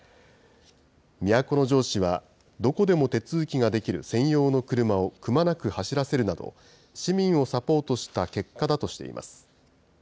都城市は、どこでも手続きができる専用の車をくまなく走らせるなど、市民をサポートした結果だとしています。